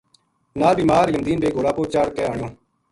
نال بیمار علم دین بے گھوڑا پو چاہڑھ کے آنیو